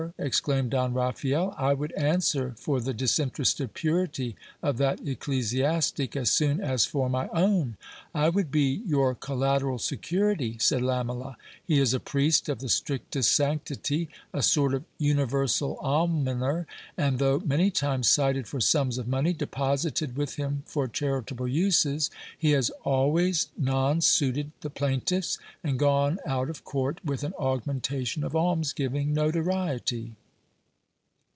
exclaimed Don Raphael ; I would answer for the disinterested purity of that ecclesiastic as soon as for my own. I would be your collateral security, said lamela ; he is a priest of the strictest sanctity, a sort of universal almoner; and though many times cited for sums of money, deposited with him for charitable uses, he has always non suited the plaintiffs, and gone out of court with an augmentation of alms giving notoriety.